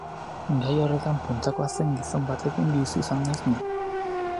Gai horretan puntakoa zen gizon batekin bizi izan naiz ni.